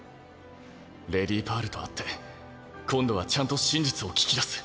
レディパールと会って今度はちゃんと真実を聞き出す。